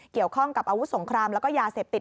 เกี่ยวข้องกับอาวุธสงครามแล้วก็ยาเสพติด